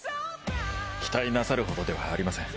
期待なさるほどではありません。